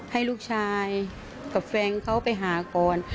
ให้ลูกชายกับแฟนเขาไปหาก่อน